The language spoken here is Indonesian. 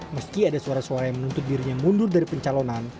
meski ada suara suara yang menuntut dirinya mundur dari pencalonan